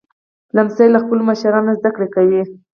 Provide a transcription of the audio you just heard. لمسی له خپلو مشرانو زدهکړه کوي.